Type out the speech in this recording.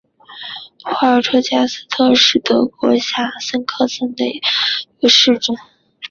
霍尔特加斯特是德国下萨克森州的一个市镇。